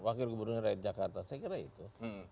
wakil gubernur rakyat jakarta saya kira itu